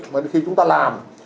mà khi chúng ta làm